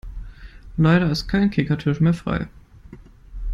Leider ist kein Kickertisch mehr frei.